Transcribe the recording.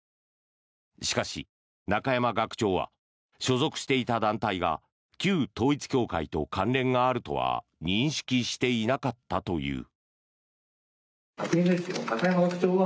しかし、中山学長は所属していた団体が旧統一教会と関連があるとは認識していなかったという。